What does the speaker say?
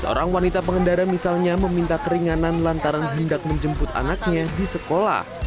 seorang wanita pengendara misalnya meminta keringanan lantaran hendak menjemput anaknya di sekolah